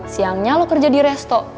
siangnya lo kerja di resto